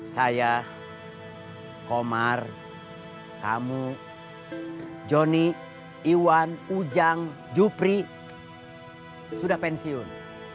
saya komar kamu joni iwan ujang jupri sudah pensiun